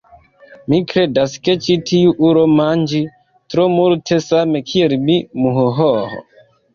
Mi kredas ke ĉi tiu ulo manĝi tro multe same kiel mi muhohoho